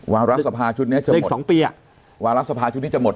วาระสภาพชุดนี้จะหมดวาระสภาพชุดนี้จะหมด